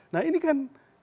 nah ini kan